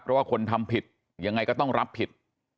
เพราะว่าคนทำผิดยังไงก็ต้องรับผิด